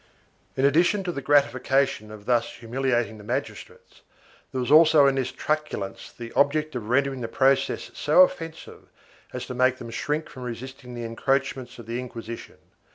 1 In addition to the gratification of thus humiliating the magis trates, there was also in this truculence the object of rendering the process so offensive as to make them shrink from resisting the encroachments of the Inquisition.